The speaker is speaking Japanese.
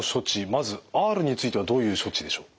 まずＲについてはどういう処置でしょう？